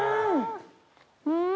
うん！